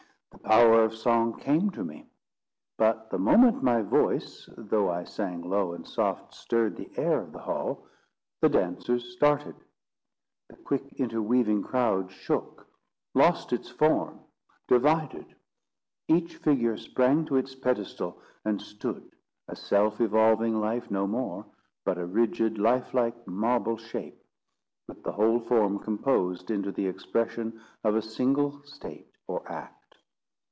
The power of song came to me. But the moment my voice, though I sang low and soft, stirred the air of the hall, the dancers started; the quick interweaving crowd shook, lost its form, divided; each figure sprang to its pedestal, and stood, a self evolving life no more, but a rigid, life like, marble shape, with the whole form composed into the expression of a single state or act.